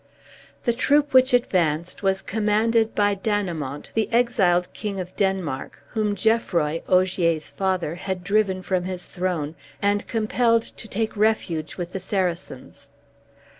The troop which advanced was commanded by Dannemont, the exiled king of Denmark, whom Geoffroy, Ogier's father, had driven from his throne and compelled to take refuge with the Saracens.